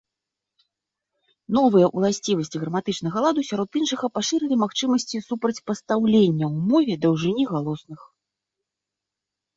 Новыя ўласцівасці граматычнага ладу, сярод іншага, пашырылі магчымасці супрацьпастаўлення ў мове даўжыні галосных.